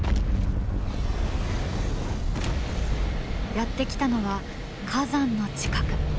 やって来たのは火山の近く。